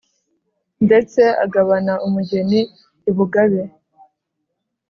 Ndetse agabana umugeni I Bugabe